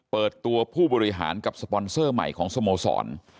เปิดตัวผู้บริหารกับสปอนเซอร์ใหม่ของสโมสร